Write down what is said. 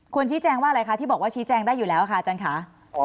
ชี้แจงว่าอะไรคะที่บอกว่าชี้แจงได้อยู่แล้วค่ะอาจารย์ค่ะ